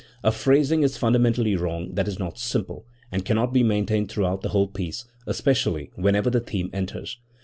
A phrasing is fundamentally wrong that is not simple, and cannot be maintained throughout the whole piece, especially whenever the theme enters.